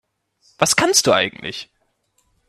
Was kannst du eigentlich?